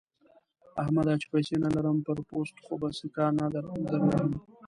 احمده! چې پيسې نه لرم؛ پر پوست خو به سکه نه دروهم.